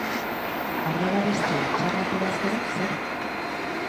Ardo garestia txarra ateraz gero, zer?